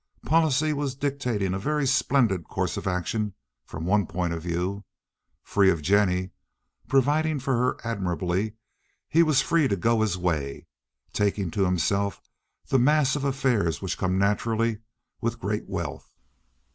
Policy was dictating a very splendid course of action from one point of view. Free of Jennie, providing for her admirably, he was free to go his way, taking to himself the mass of affairs which come naturally with great wealth.